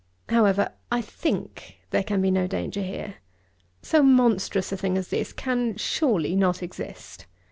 However, I think, there can be no danger here. So monstrous a thing as this can, surely, not exist.